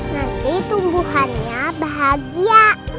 nanti tumbuhannya bahagia